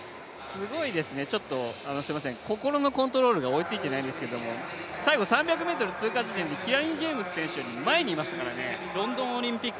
すごいですね、ちょっと心のコントロールが追いついていないんですけれども、最後、３００ｍ通過地点でキラニ・ジェームス選手よりロンドンオリンピック、